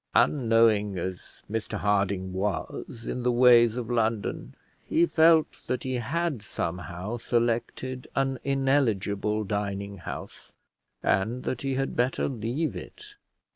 Unknowing as Mr Harding was in the ways of London, he felt that he had somehow selected an ineligible dining house, and that he had better leave it.